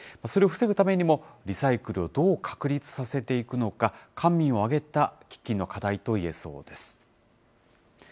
それを防ぐためにも、リサイクルをどう確立させていくのか、官民を挙げた喫緊の課題といえそうです。